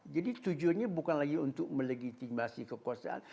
jadi tujuannya bukan lagi untuk melegitimasi kekuasaan